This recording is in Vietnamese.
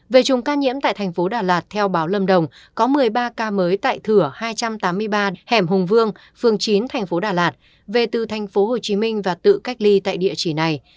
về chùm ca nhiễm tại thành phố đà lạt theo báo lâm đồng có một mươi ba ca mới tại thửa hai trăm tám mươi ba hẻm hùng phương phường chín thành phố đà lạt về từ thành phố hồ chí minh và tự cách ly tại địa chỉ này